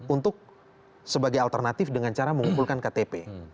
untuk sebagai alternatif dengan cara mengumpulkan ktp